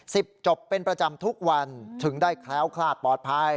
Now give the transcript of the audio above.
จบเป็นประจำทุกวันถึงได้แคล้วคลาดปลอดภัย